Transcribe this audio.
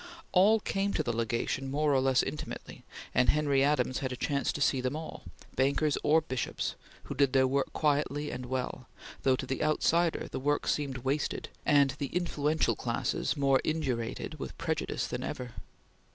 All came to the Legation more or less intimately, and Henry Adams had a chance to see them all, bankers or bishops, who did their work quietly and well, though, to the outsider, the work seemed wasted and the "influential classes" more indurated with prejudice than ever.